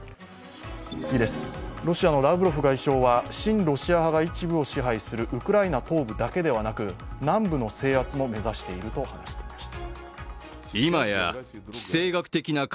ロシアのラブロフ外相は親ロシア派が一部を支配するウクライナ東部だけではなく、南部の制圧も目指していると話しています。